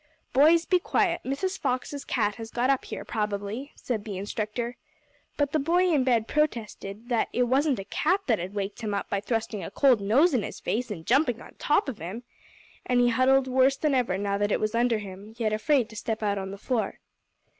"Boys, be quiet. Mrs. Fox's cat has got up here, probably," said the instructor. But the boy in the bed protested that it wasn't a cat that had waked him up by thrusting a cold nose in his face, and jumping on top of him. And he huddled worse than ever now that it was under him; yet afraid to step out on the floor.